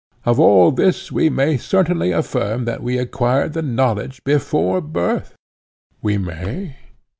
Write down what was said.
Of all this we may certainly affirm that we acquired the knowledge before birth? We may.